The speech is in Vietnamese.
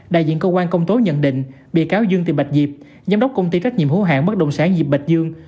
đại diện cơ quan công tố nhận định bị cáo dương thị bạch diệp giám đốc công ty trách nhiệm hữu hạng bất động sản diệp bạch dương